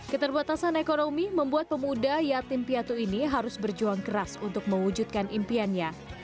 keterbatasan ekonomi membuat pemuda yatim piatu ini harus berjuang keras untuk mewujudkan impiannya